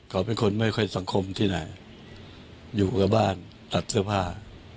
เขาเป็นคนไม่ค่อยสังคมที่ไหนอยู่กับบ้านตัดเสื้อผ้า